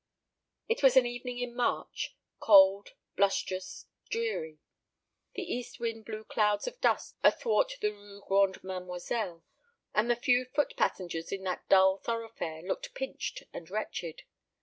It was an evening in March cold, blustrous, dreary. The east wind blew clouds of dust athwart the Rue Grande Mademoiselle, and the few foot passengers in that dull thoroughfare looked pinched and wretched.